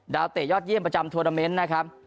เตะยอดเยี่ยมประจำทวนาเมนต์นะครับ